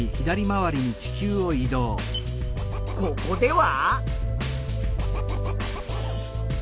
ここでは？